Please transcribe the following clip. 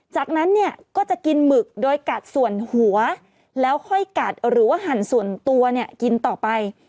จากนั้นเนี่ยก็จะกินหมึกโดยกัดส่วนหัวแล้วค่อยกัดหรือว่าหั่นส่วนตัวเนี่ยกินต่อไป